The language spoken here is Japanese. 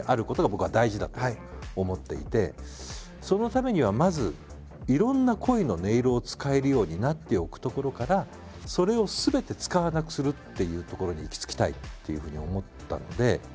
そのためにはまずいろんな声の音色を使えるようになっておくところからそれをすべて使わなくするというところに行き着きたいというふうに思ったので。